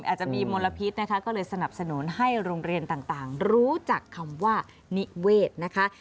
อาจจะมีมลพิษนะคะก็เลยสนับสนุนให้โรงเรียนต่างรู้จักคำว่านิเวศนะคะ